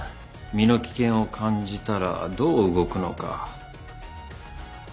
身の危険を感じたらどう動くのか。